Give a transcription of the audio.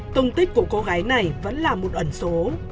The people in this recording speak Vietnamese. tung tích của cô gái này vẫn là một ẩn số